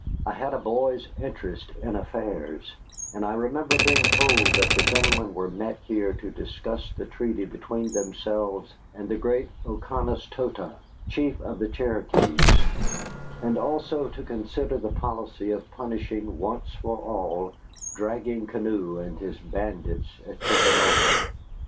I had a boy's interest in affairs, and I remember being told that the gentlemen were met here to discuss the treaty between themselves and the great Oconostota, chief of the Cherokees, and also to consider the policy of punishing once for all Dragging Canoe and his bandits at Chickamauga.